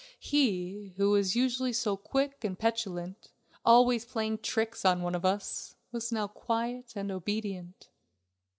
He, who was usually so quick and petulant, always playing tricks on one of us, was now quiet and obedient.